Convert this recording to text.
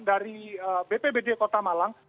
dari bpbd kota malang